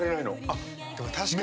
あっでも確かに。